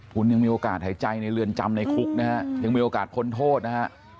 คุณยังมีโอกาสหายใจในเรือนจำในคุกนะฮะยังมีโอกาสพ้นโทษนะฮะ